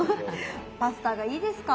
パスタがいいですか？